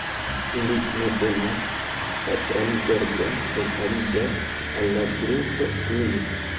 Ili ne bezonas patran zorgon kaj aliĝas al la grupo tuje.